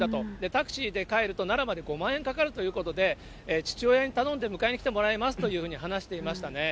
タクシーで帰ると奈良まで５万円かかるということで、父親に頼んで迎えに来てもらいますというふうに話していましたね。